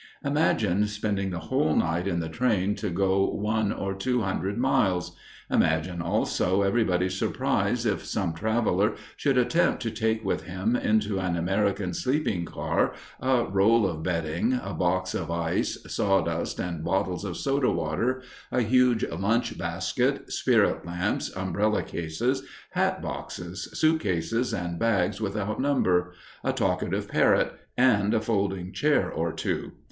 Imagine spending the whole night in the train to go one or two hundred miles! Imagine, also, everybody's surprise if some traveler should attempt to take with him into an American sleeping car a roll of bedding, a box of ice, sawdust, and bottles of soda water, a huge lunch basket, spirit lamps, umbrella cases, hat boxes, suitcases and bags without number, a talkative parrot, and a folding chair or two!